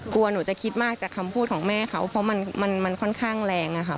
กลัวหนูจะคิดมากจากคำพูดของแม่เขาเพราะมันค่อนข้างแรงอะค่ะ